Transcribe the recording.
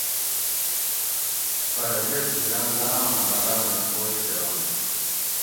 پۤرہ یہ تھِل آۤں لاۤم آۤں باۤراۤ مئ سوچ کۤرونت